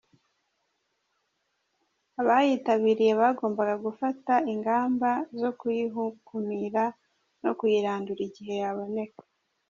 Abayitabiriye bagombaga gufata ingamba zo kuyikumira no kuyirandura igihe yaboneka.